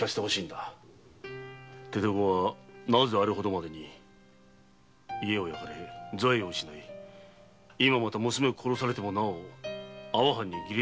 父親はなぜあれほどまでに家を焼かれ財を失い今また娘を殺されてもなお阿波藩に義理だてするのか？